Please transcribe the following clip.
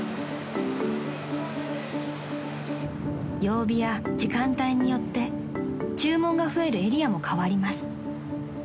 ［曜日や時間帯によって注文が増えるエリアも変わります］